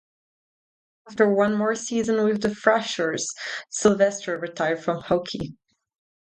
After one more season with the Thrashers, Sylvester retired from hockey.